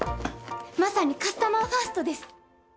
まさにカスタマーファーストです。